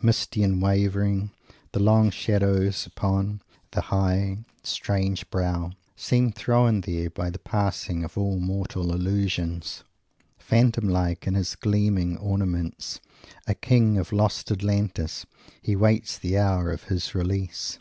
Misty and wavering, the long shadows upon the high, strange brow seem thrown there by the passing of all mortal Illusions. Phantom like in his gleaming ornaments, a king of Lost Atlantis, he waits the hour of his release.